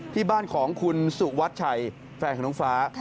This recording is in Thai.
ที่บ้านของคุณสุวัชชัยแฟนของน้องฟ้า